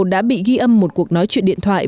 đã bị ghi âm một cuộc nói chuyện điện thoại